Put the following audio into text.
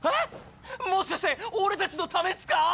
もしかして俺たちのためっすか？